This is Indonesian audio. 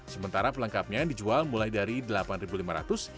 sementara pelengkapnya yang dijual mulai dari delapan lima ratus rupiah